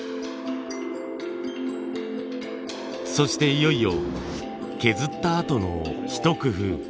そしていよいよ削ったあとのひと工夫。